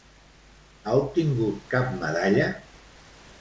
Ha obtingut cap medalla?